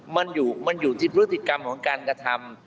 มันอยู่ที่พฤติกรรมของการกระทำ